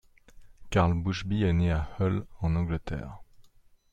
Karl Bushby est né le à Hull, en Angleterre.